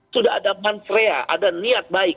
sudah ada mansrea ada niat baik